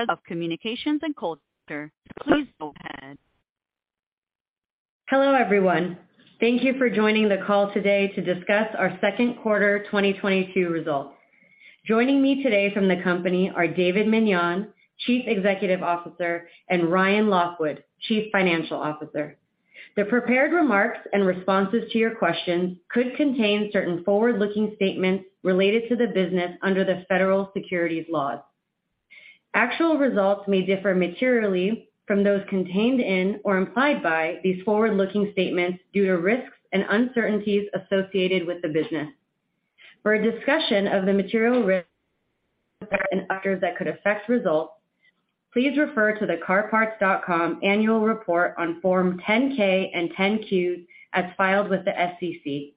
Vice President of Communications and Culture. Please go ahead. Hello, everyone. Thank you for joining the call today to discuss our second quarter 2022 results. Joining me today from the company are David Meniane, Chief Executive Officer, and Ryan Lockwood, Chief Financial Officer. The prepared remarks and responses to your questions could contain certain forward-looking statements related to the business under the Federal Securities laws. Actual results may differ materially from those contained in or implied by these forward-looking statements due to risks and uncertainties associated with the business. For a discussion of the material risks and factors that could affect results, please refer to the CarParts.com Annual Report on Form 10-K and 10-Q as filed with the SEC,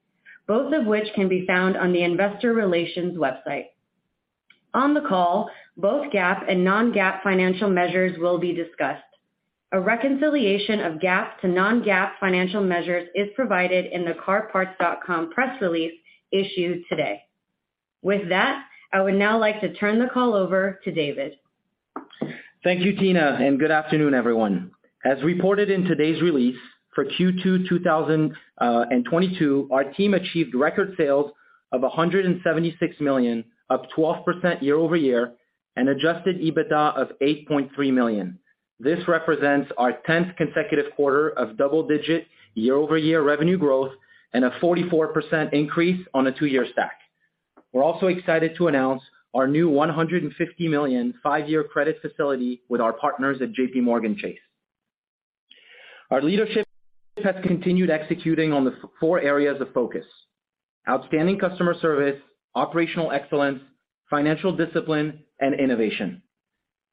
both of which can be found on the investor relations website. On the call, both GAAP and non-GAAP financial measures will be discussed. A reconciliation of GAAP to non-GAAP financial measures is provided in the CarParts.com press release issued today. With that, I would now like to turn the call over to David. Thank you, Tina, and good afternoon, everyone. As reported in today's release, for Q2 2022, our team achieved record sales of 176 million, up 12% year-over-year, and adjusted EBITDA of 8.3 million. This represents our tenth consecutive quarter of double-digit year-over-year revenue growth and a 44% increase on a two-year stack. We're also excited to announce our new 150 million five-year credit facility with our partners at JPMorgan Chase. Our leadership has continued executing on the four areas of focus, outstanding customer service, operational excellence, financial discipline, and innovation.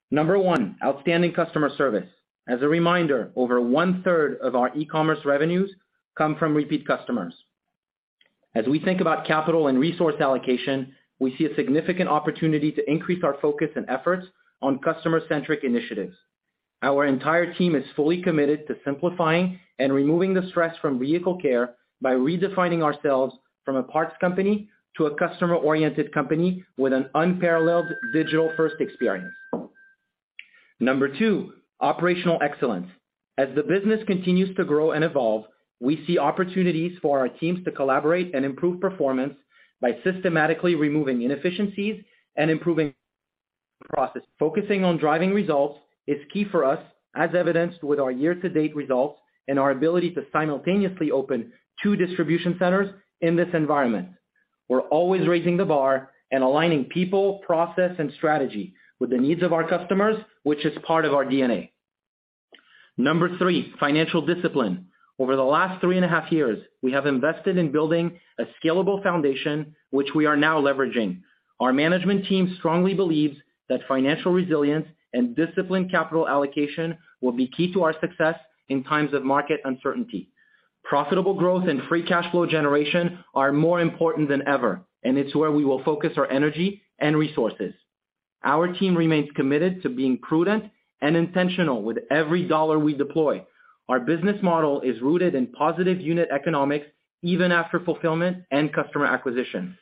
Number one, outstanding customer service. As a reminder, over one-third of our e-commerce revenues come from repeat customers. As we think about capital and resource allocation, we see a significant opportunity to increase our focus and efforts on customer-centric initiatives. Our entire team is fully committed to simplifying and removing the stress from vehicle care by redefining ourselves from a parts company to a customer-oriented company with an unparalleled digital-first experience. Number two, operational excellence. As the business continues to grow and evolve, we see opportunities for our teams to collaborate and improve performance by systematically removing inefficiencies and improving process. Focusing on driving results is key for us, as evidenced with our year-to-date results and our ability to simultaneously open two distribution centers in this environment. We're always raising the bar and aligning people, process, and strategy with the needs of our customers, which is part of our DNA. Number three, financial discipline. Over the last 3.5 years, we have invested in building a scalable foundation, which we are now leveraging. Our management team strongly believes that financial resilience and disciplined capital allocation will be key to our success in times of market uncertainty. Profitable growth and free cash flow generation are more important than ever, and it's where we will focus our energy and resources. Our team remains committed to being prudent and intentional with every dollar we deploy. Our business model is rooted in positive unit economics, even after fulfillment and customer acquisition.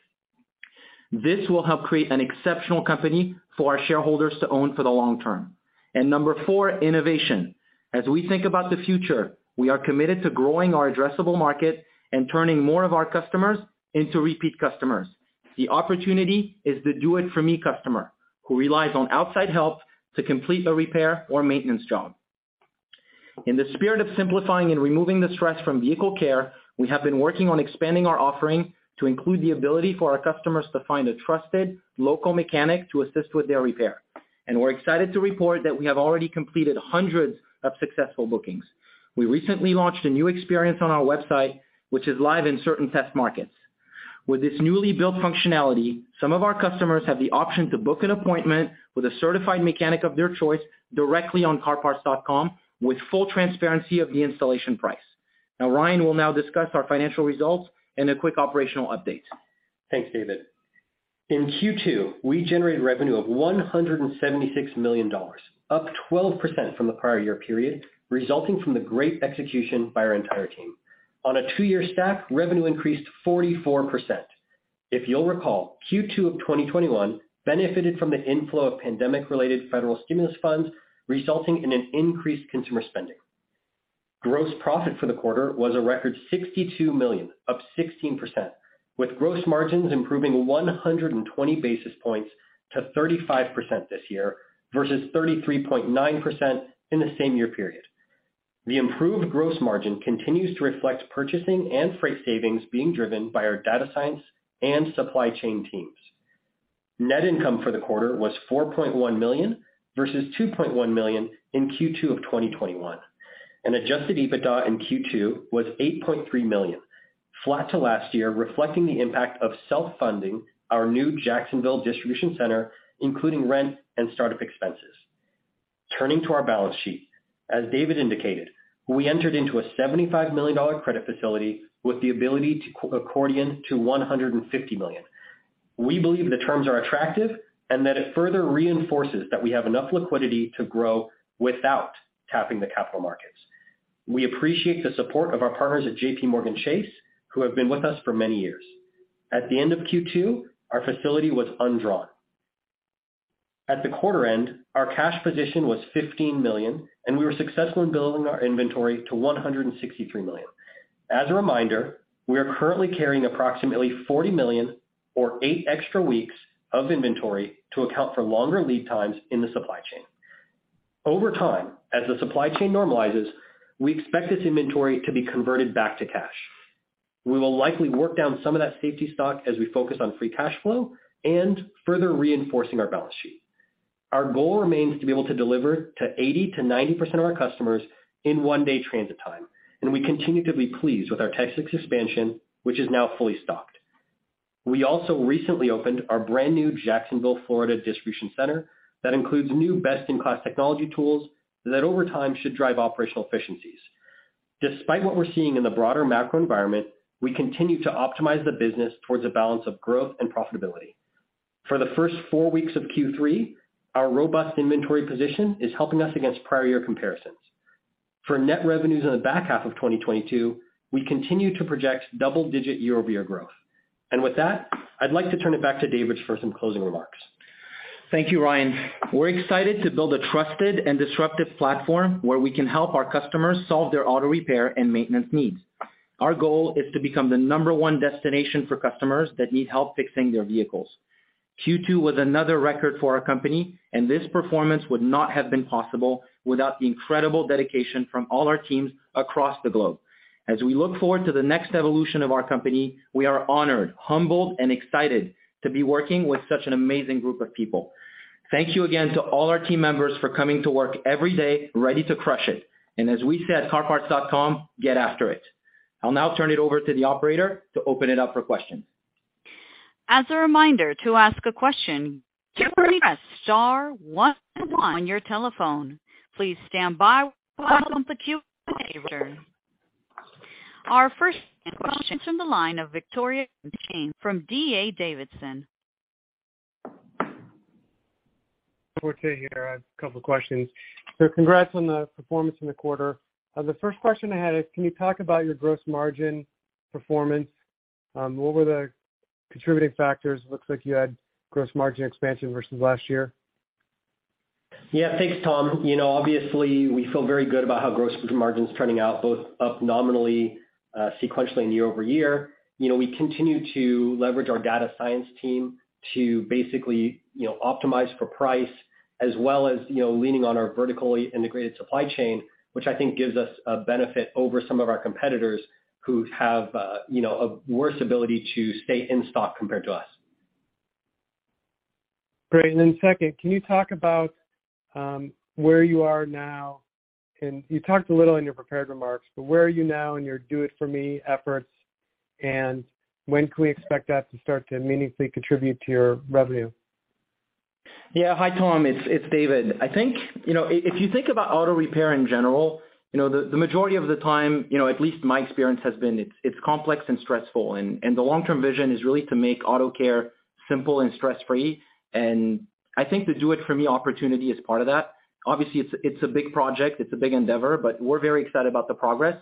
This will help create an exceptional company for our shareholders to own for the long term. Number four, innovation. As we think about the future, we are committed to growing our addressable market and turning more of our customers into repeat customers. The opportunity is the Do-It-For-Me customer who relies on outside help to complete a repair or maintenance job. In the spirit of simplifying and removing the stress from vehicle care, we have been working on expanding our offering to include the ability for our customers to find a trusted local mechanic to assist with their repair. We're excited to report that we have already completed hundreds of successful bookings. We recently launched a new experience on our website, which is live in certain test markets. With this newly built functionality, some of our customers have the option to book an appointment with a certified mechanic of their choice directly on CarParts.com with full transparency of the installation price. Now, Ryan will discuss our financial results and a quick operational update. Thanks, David. In Q2, we generated revenue of $176 million, up 12% from the prior year period, resulting from the great execution by our entire team. On a two-year stack, revenue increased 44%. If you'll recall, Q2 of 2021 benefited from the inflow of pandemic-related federal stimulus funds, resulting in an increased consumer spending. Gross profit for the quarter was a record 62 million, up 16%, with gross margins improving 120 basis points to 35% this year versus 33.9% in the same year period. The improved gross margin continues to reflect purchasing and freight savings being driven by our data science and supply chain teams. Net income for the quarter was 4.1 million versus 2.1 million in Q2 of 2021. Adjusted EBITDA in Q2 was 8.3 million, flat to last year, reflecting the impact of self-funding our new Jacksonville distribution center, including rent and start-up expenses. Turning to our balance sheet. As David indicated, we entered into a $75 million credit facility with the ability to accordion to 150 million. We believe the terms are attractive and that it further reinforces that we have enough liquidity to grow without tapping the capital markets. We appreciate the support of our partners at JPMorgan Chase & Co., who have been with us for many years. At the end of Q2, our facility was undrawn. At the quarter end, our cash position was 15 million, and we were successful in building our inventory to 163 million. As a reminder, we are currently carrying approximately 40 million or eight extra weeks of inventory to account for longer lead times in the supply chain. Over time, as the supply chain normalizes, we expect this inventory to be converted back to cash. We will likely work down some of that safety stock as we focus on free cash flow and further reinforcing our balance sheet. Our goal remains to be able to deliver to 80%-90% of our customers in one-day transit time, and we continue to be pleased with our Texas expansion, which is now fully stocked. We also recently opened our brand new Jacksonville, Florida distribution center that includes new best-in-class technology tools that over time should drive operational efficiencies. Despite what we're seeing in the broader macro environment, we continue to optimize the business towards a balance of growth and profitability. For the first four weeks of Q3, our robust inventory position is helping us against prior year comparisons. For net revenues in the back half of 2022, we continue to project double-digit year-over-year growth. With that, I'd like to turn it back to David for some closing remarks. Thank you, Ryan. We're excited to build a trusted and disruptive platform where we can help our customers solve their auto repair and maintenance needs. Our goal is to become the number 1 destination for customers that need help fixing their vehicles. Q2 was another record for our company, and this performance would not have been possible without the incredible dedication from all our teams across the globe. As we look forward to the next evolution of our company, we are honored, humbled, and excited to be working with such an amazing group of people. Thank you again to all our team members for coming to work every day, ready to crush it. As we say at CarParts.com, "Get after it." I'll now turn it over to the operator to open it up for questions. As a reminder, to ask a question, press star one on your telephone. Please stand by while on the Q&A. Our first question is from the line of Tom Forte from D.A. Davidson. Victoria here. I have a couple of questions. Congrats on the performance in the quarter. The first question I had is, can you talk about your gross margin performance? What were the contributing factors? It looks like you had gross margin expansion versus last year. Yeah. Thanks, Tom. You know, obviously, we feel very good about how gross margin is turning out, both up nominally, sequentially and year-over-year. You know, we continue to leverage our data science team to basically, you know, optimize for price as well as, you know, leaning on our vertically integrated supply chain, which I think gives us a benefit over some of our competitors who have, you know, a worse ability to stay in stock compared to us. Great. Then second, can you talk about where you are now? You talked a little in your prepared remarks, but where are you now in your Do-It-For-Me efforts, and when can we expect that to start to meaningfully contribute to your revenue? Yeah. Hi, Tom. It's David. I think, you know, if you think about auto repair in general, you know, the majority of the time, you know, at least my experience has been it's complex and stressful. The long-term vision is really to make auto care simple and stress-free. I think the Do It For Me opportunity is part of that. Obviously, it's a big project, it's a big endeavor, but we're very excited about the progress.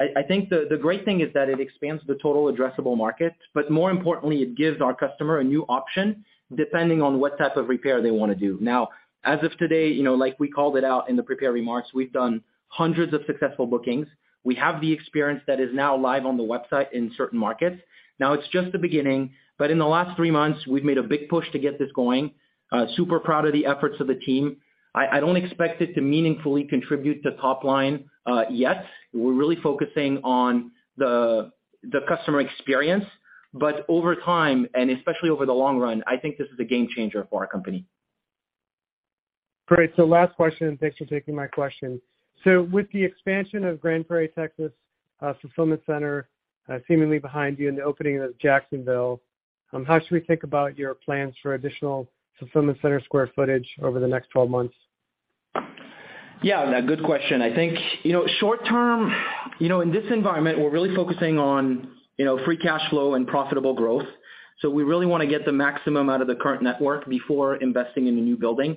I think the great thing is that it expands the total addressable market, but more importantly, it gives our customer a new option depending on what type of repair they wanna do. Now, as of today, you know, like we called it out in the prepared remarks, we've done hundreds of successful bookings. We have the experience that is now live on the website in certain markets. Now it's just the beginning, but in the last three months, we've made a big push to get this going. Super proud of the efforts of the team. I don't expect it to meaningfully contribute to top line, yet. We're really focusing on the customer experience. Over time, and especially over the long run, I think this is a game changer for our company. Great. Last question, and thanks for taking my question. With the expansion of Grand Prairie, Texas, fulfillment center, seemingly behind you in the opening of Jacksonville, how should we think about your plans for additional fulfillment center square footage over the next 12 months? Yeah, good question. I think, you know, short term, you know, in this environment, we're really focusing on, you know, free cash flow and profitable growth. So we really wanna get the maximum out of the current network before investing in a new building.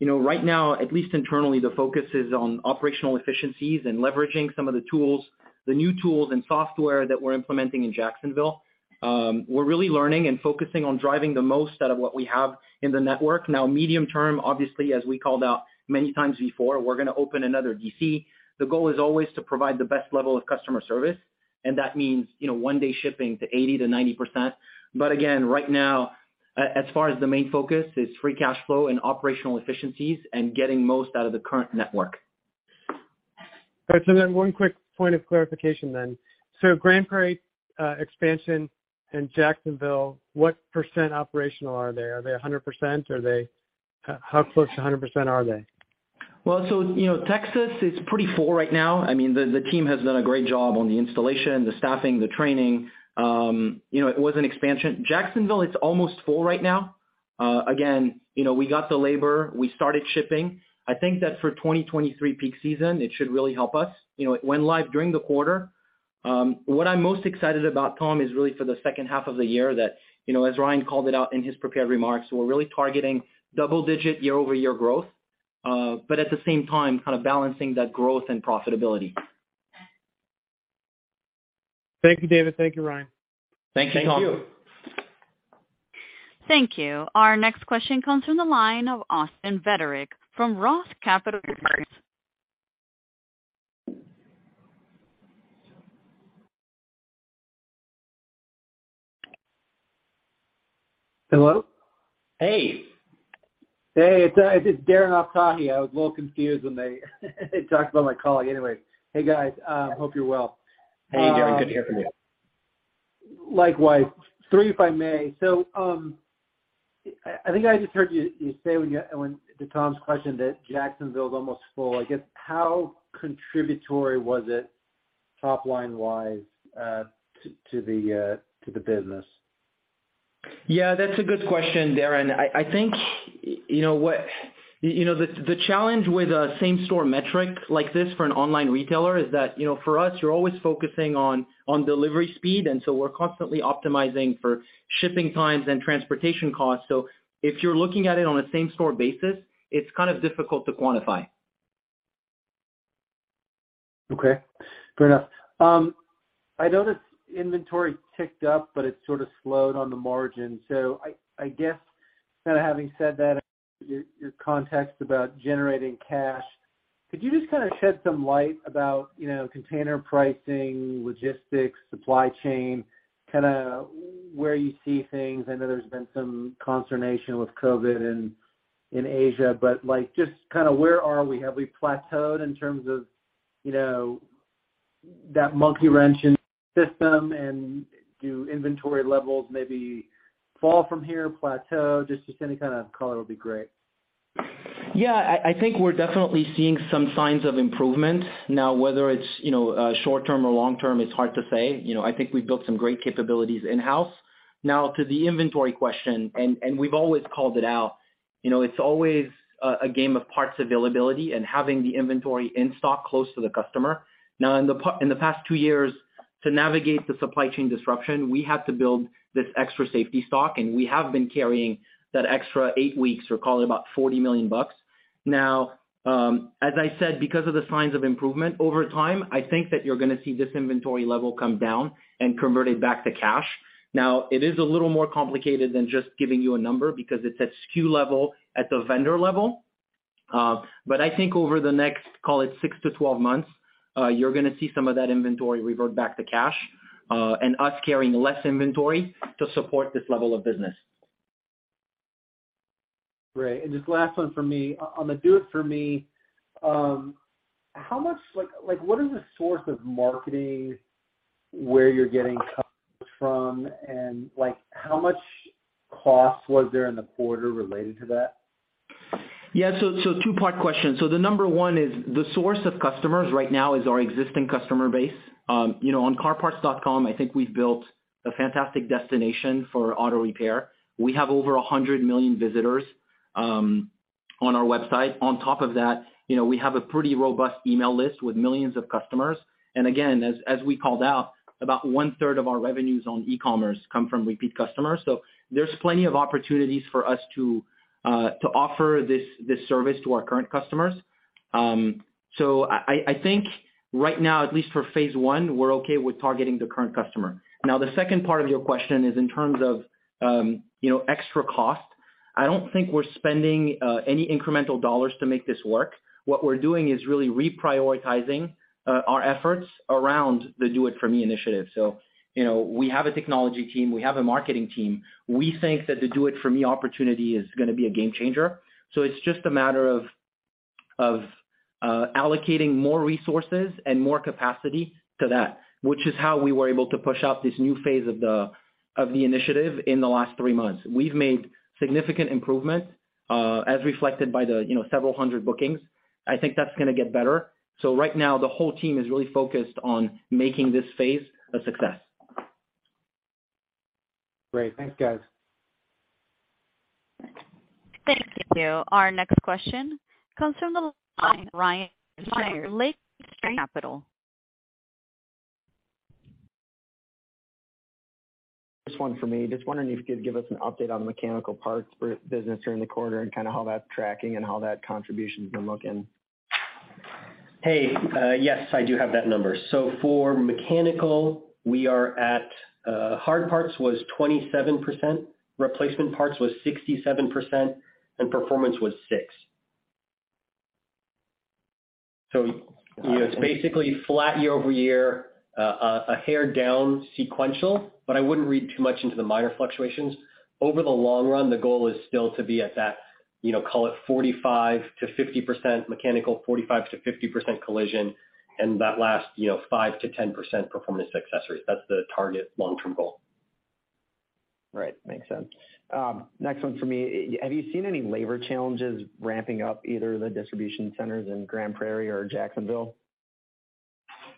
You know, right now, at least internally, the focus is on operational efficiencies and leveraging some of the tools, the new tools and software that we're implementing in Jacksonville. We're really learning and focusing on driving the most out of what we have in the network. Now, medium-term, obviously, as we called out many times before, we're gonna open another DC. The goal is always to provide the best level of customer service, and that means, you know, one-day shipping to 80%-90%. Again, right now, as far as the main focus is free cash flow and operational efficiencies and getting most out of the current network. All right. One quick point of clarification then. Grand Prairie expansion in Jacksonville, what percent operational are they? Are they 100%? How close to 100% are they? Well, you know, Texas is pretty full right now. I mean, the team has done a great job on the installation, the staffing, the training. You know, it was an expansion. Jacksonville, it's almost full right now. Again, you know, we got the labor, we started shipping. I think that for 2023 peak season, it should really help us. You know, it went live during the quarter. What I'm most excited about, Tom, is really for the second half of the year that, you know, as Ryan called it out in his prepared remarks, we're really targeting double-digit year-over-year growth, but at the same time, kind of balancing that growth and profitability. Thank you, David. Thank you, Ryan. Thank you, Tom. Thank you. Thank you. Our next question comes from the line of Darren Aftahi Hello? Hey. Hey, it's Darren Aftahi. I was a little confused when they talked about my colleague. Anyway. Hey, guys, hope you're well. Hey, Darren. Good to hear from you. Likewise. Three if I may. I think I just heard you say, to Tom's question, that Jacksonville is almost full. I guess how contributory was it top line wise to the business? Yeah, that's a good question, Darren. I think, you know, the challenge with a same store metric like this for an online retailer is that, you know, for us, you're always focusing on delivery speed, and so we're constantly optimizing for shipping times and transportation costs. So if you're looking at it on a same store basis, it's kind of difficult to quantify. Okay. Fair enough. I noticed inventory ticked up, but it sort of slowed on the margin. I guess kinda having said that, your context about generating cash, could you just kinda shed some light about, you know, container pricing, logistics, supply chain, kinda where you see things? I know there's been some consternation with COVID in Asia, but, like, just kinda where are we? Have we plateaued in terms of, you know, that multi-wrenching system and do inventory levels maybe fall from here, plateau? Just any kind of color will be great. Yeah. I think we're definitely seeing some signs of improvement. Now, whether it's, you know, short term or long term, it's hard to say. You know, I think we've built some great capabilities in-house. Now to the inventory question, and we've always called it out, you know, it's always a game of parts availability and having the inventory in stock close to the customer. Now in the past two years, to navigate the supply chain disruption, we had to build this extra safety stock, and we have been carrying that extra eight weeks or call it about $40 million. Now, as I said, because of the signs of improvement over time, I think that you're gonna see this inventory level come down and convert it back to cash. Now, it is a little more complicated than just giving you a number because it's at SKU level, at the vendor level. I think over the next, call it six-12 months, you're gonna see some of that inventory revert back to cash, and us carrying less inventory to support this level of business. Great. Just last one for me. On the Do It For Me, how much like what is the source of marketing where you're getting customers from? Like, how much cost was there in the quarter related to that? Yeah. Two-part question. The number one is the source of customers right now is our existing customer base. You know, on CarParts.com, I think we've built a fantastic destination for auto repair. We have over 100 million visitors on our website. On top of that, you know, we have a pretty robust email list with millions of customers. Again, as we called out, about one-third of our revenues on e-commerce come from repeat customers. There's plenty of opportunities for us to offer this service to our current customers. I think right now, at least for phase one, we're okay with targeting the current customer. Now, the second part of your question is in terms of extra cost. I don't think we're spending any incremental dollars to make this work. What we're doing is really reprioritizing our efforts around the Do-It-For-Me initiative. You know, we have a technology team, we have a marketing team. We think that the Do-It-For-Me opportunity is gonna be a game changer. It's just a matter of allocating more resources and more capacity to that, which is how we were able to push out this new phase of the initiative in the last three months. We've made significant improvement, as reflected by the several hundred bookings. I think that's gonna get better. Right now, the whole team is really focused on making this phase a success. Great. Thanks, guys. Thank you. Our next question comes from the line of Ryan Sigdahl, Lake Street Capital Markets. This one's for me. Just wondering if you could give us an update on mechanical parts for business during the quarter and kinda how that's tracking and how that contribution's been looking? Hey, yes, I do have that number. For mechanical, we are at, hard parts was 27%, replacement parts was 67%, and performance was 6%. It's basically flat year-over-year, a hair down sequential, but I wouldn't read too much into the minor fluctuations. Over the long run, the goal is still to be at that, you know, call it 45%-50% mechanical, 45%-50% collision, and that last, you know, 5%-10% performance accessories. That's the target long-term goal. Right. Makes sense. Next one for me. Have you seen any labor challenges ramping up either the distribution centers in Grand Prairie or Jacksonville?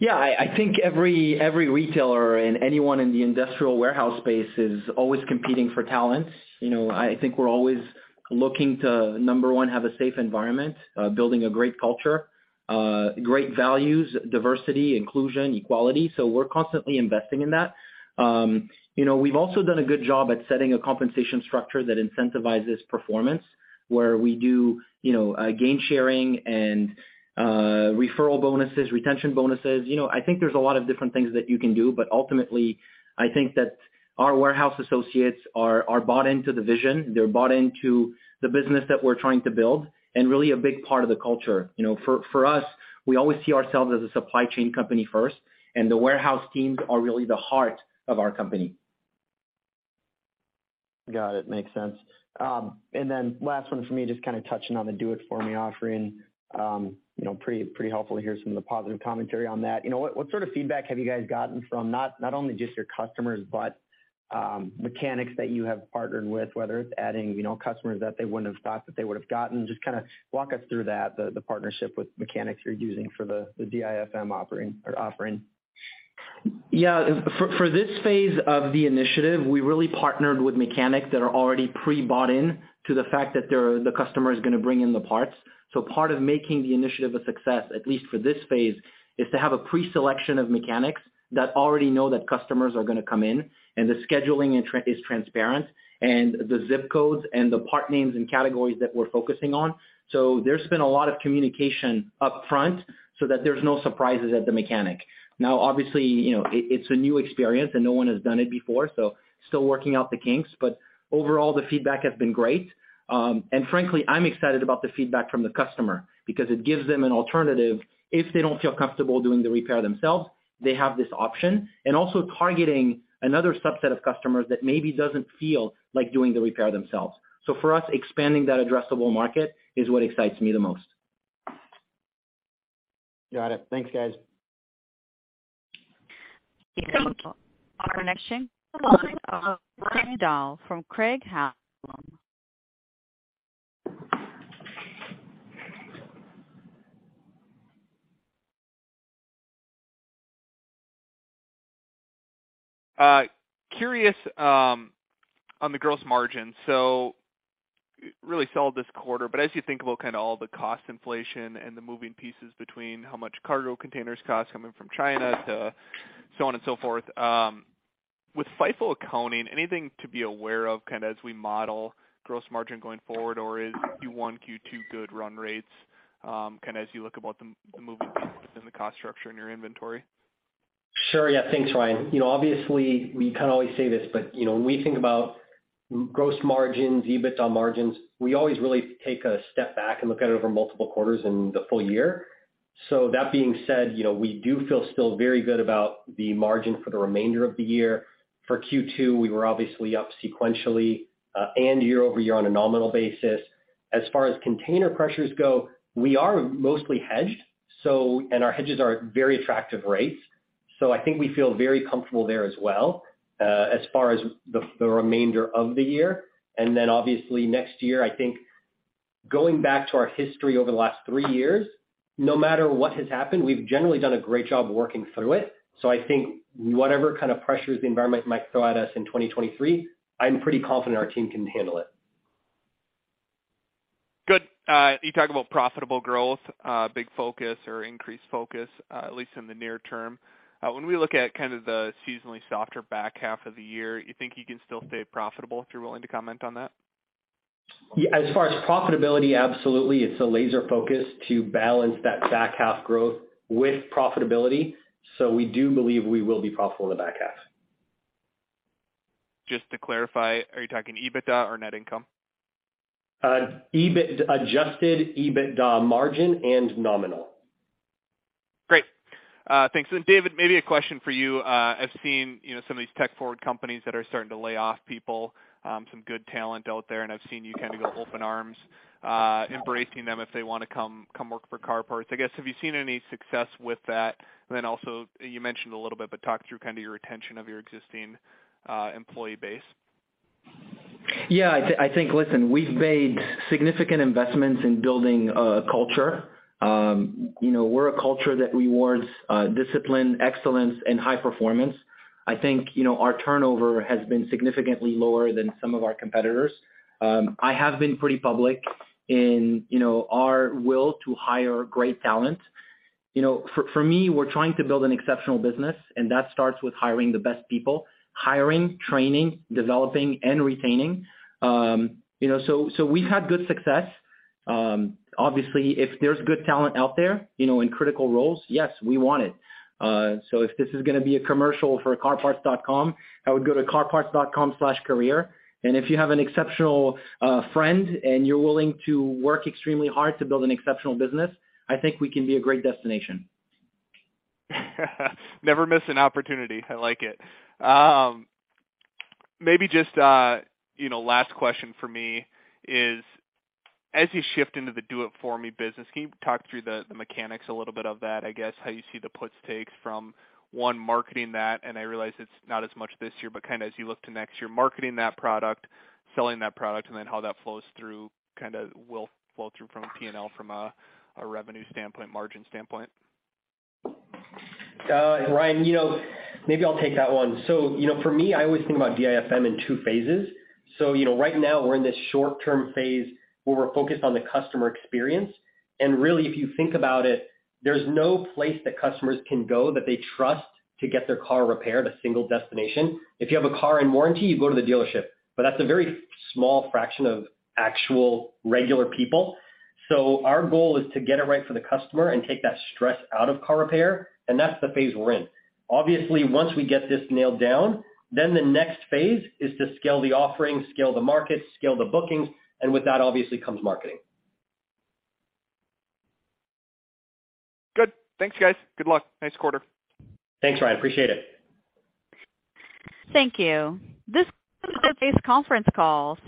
Yeah, I think every retailer and anyone in the industrial warehouse space is always competing for talent. You know, I think we're always looking to, number one, have a safe environment, building a great culture, great values, diversity, inclusion, equality. We're constantly investing in that. You know, we've also done a good job at setting a compensation structure that incentivizes performance, where we do, you know, gain sharing and, referral bonuses, retention bonuses. You know, I think there's a lot of different things that you can do, but ultimately, I think that our warehouse associates are bought into the vision. They're bought into the business that we're trying to build and really a big part of the culture. You know, for us, we always see ourselves as a supply chain company first, and the warehouse teams are really the heart of our company. Got it. Makes sense. Last one for me, just kinda touching on the Do-It-For-Me offering. You know, pretty helpful to hear some of the positive commentary on that. You know, what sort of feedback have you guys gotten from not only just your customers but mechanics that you have partnered with, whether it's adding, you know, customers that they wouldn't have thought that they would have gotten? Just kinda walk us through that, the partnership with mechanics you're using for the DIFM offering. Yeah. For this phase of the initiative, we really partnered with mechanics that are already pre-bought in to the fact that they're the customer is gonna bring in the parts. Part of making the initiative a success, at least for this phase, is to have a pre-selection of mechanics that already know that customers are gonna come in, and the scheduling is transparent, and the zip codes and the part names and categories that we're focusing on. There's been a lot of communication up front so that there's no surprises at the mechanic. Now, obviously, you know, it's a new experience, and no one has done it before, so still working out the kinks. Overall, the feedback has been great. Frankly, I'm excited about the feedback from the customer because it gives them an alternative. If they don't feel comfortable doing the repair themselves, they have this option. Also targeting another subset of customers that maybe doesn't feel like doing the repair themselves. For us, expanding that addressable market is what excites me the most. Got it. Thanks, guys. Thank you. Our next from Ryan. Curious on the gross margin. Really solid this quarter, but as you think about kinda all the cost inflation and the moving pieces between how much cargo containers cost coming from China to so on and so forth, with FIFO accounting, anything to be aware of kinda as we model gross margin going forward, or is Q1, Q2 good run rates, kinda as you look at the moving pieces and the cost structure in your inventory? Sure, yeah. Thanks, Ryan. You know, obviously, we kinda always say this, but you know, when we think about gross margins, EBITDA margins, we always really take a step back and look at it over multiple quarters and the full year. That being said, you know, we do feel still very good about the margin for the remainder of the year. For Q2, we were obviously up sequentially and year-over-year on a nominal basis. As far as container pressures go, we are mostly hedged, and our hedges are at very attractive rates. I think we feel very comfortable there as well, as far as the remainder of the year. Then obviously next year, I think going back to our history over the last three years, no matter what has happened, we've generally done a great job working through it. I think whatever kind of pressures the environment might throw at us in 2023, I'm pretty confident our team can handle it. Good. You talk about profitable growth, big focus or increased focus, at least in the near term. When we look at kinda the seasonally softer back half of the year, you think you can still stay profitable, if you're willing to comment on that? Yeah. As far as profitability, absolutely. It's a laser focus to balance that back half growth with profitability. We do believe we will be profitable in the back half. Just to clarify, are you talking EBITDA or net income? Adjusted EBITDA margin and nominal. Great. Thanks. David, maybe a question for you. I've seen, you know, some of these tech forward companies that are starting to lay off people, some good talent out there, and I've seen you kinda go open arms, embracing them if they wanna come work for CarParts.com. I guess, have you seen any success with that? Then also, you mentioned a little bit, but talk through kinda your retention of your existing employee base. I think, listen, we've made significant investments in building a culture. You know, we're a culture that rewards discipline, excellence, and high performance. I think, you know, our turnover has been significantly lower than some of our competitors. I have been pretty public in, you know, our will to hire great talent. You know, for me, we're trying to build an exceptional business, and that starts with hiring the best people. Hiring, training, developing, and retaining. You know, so we've had good success. Obviously, if there's good talent out there, you know, in critical roles, yes, we want it. If this is gonna be a commercial for CarParts.com, I would go to CarParts.com/career. If you have an exceptional friend and you're willing to work extremely hard to build an exceptional business, I think we can be a great destination. Never miss an opportunity. I like it. You know, last question for me is, as you shift into the Do-It-For-Me business, can you talk through the mechanics a little bit of that, I guess, how you see the puts and takes from one marketing that, and I realize it's not as much this year, but kinda as you look to next year, marketing that product, selling that product, and then how that flows through kinda will flow through from a P&L, from a revenue standpoint, margin standpoint. Ryan, you know, maybe I'll take that one. You know, for me, I always think about DIFM in two phases. You know, right now we're in this short term phase where we're focused on the customer experience. Really, if you think about it, there's no place that customers can go that they trust to get their car repaired, a single destination. If you have a car in warranty, you go to the dealership, but that's a very small fraction of actual regular people. Our goal is to get it right for the customer and take that stress out of car repair, and that's the phase we're in. Obviously, once we get this nailed down, then the next phase is to scale the offering, scale the market, scale the bookings, and with that, obviously comes marketing. Good. Thanks, guys. Good luck. Nice quarter. Thanks, Ryan. Appreciate it. Thank you. This concludes today's conference call.